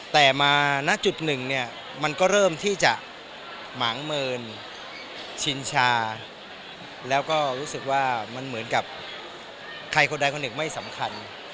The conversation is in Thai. แต่มาณจุดหนึ่งเนี่ยมันก็เริ่มที่จะหมางเมินชินชาแล้วก็รู้สึกว่ามันเหมือนกับใครคนใดคนหนึ่งไม่สำคัญ